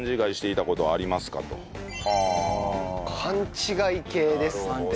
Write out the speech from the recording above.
勘違い系ですって。